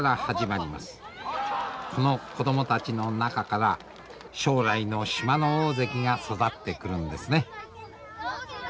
この子供たちの中から将来の島の大関が育ってくるんですね。